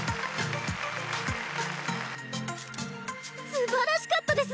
すばらしかったです！